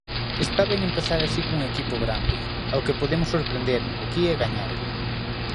Está ben empezar así cun equipo grande, ao que podemos sorprender aquí e gañarlle.